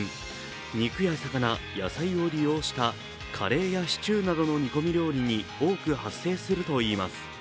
肉や魚、野菜を利用したカレーやシチューなどの煮込み料理に多く発生するといいます。